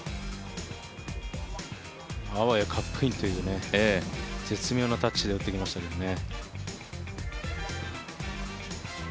あわやカップインという絶妙なタッチで打ってきましたけどね。